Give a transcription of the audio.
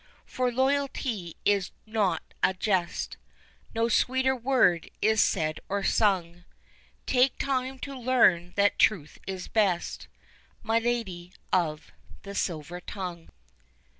For loyalty is not a jest, No sweeter word is said or sung, Take time to learn that truth is best, My Lady of the Silver Tongue.